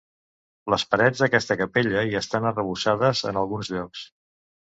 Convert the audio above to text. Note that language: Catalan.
Les parets d'aquesta capella i estan arrebossades en alguns llocs.